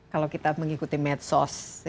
kalau kita mengikuti medsos